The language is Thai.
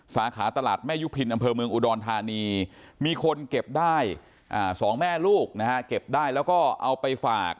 สาขาตลาดแม่ยุพินอำเภอเมืองอุดรธานีมีคนเก็บได้๒แม่ลูกนะฮะเก็บได้แล้วก็เอาไปฝาก